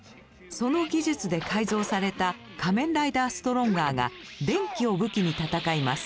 その技術で改造された仮面ライダーストロンガーが電気を武器に戦います。